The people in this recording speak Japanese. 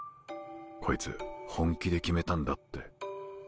こいつ本気で決めたんだって。